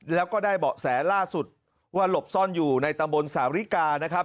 แล้วก็ได้เบาะแสล่าสุดว่าหลบซ่อนอยู่ในตำบลสาวิกานะครับ